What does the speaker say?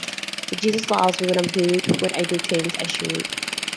Jesus loves me when I'm good, when I do the things I should.